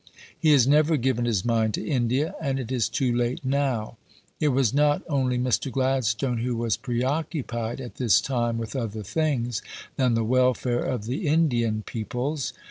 He has never given his mind to India, and it is too late now." It was not only Mr. Gladstone who was preoccupied at this time with other things than the welfare of the Indian peoples.